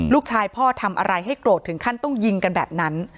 ลูกชายพ่อทำอะไรให้โกรธถึงขั้นต้องยิงกันแบบนั้น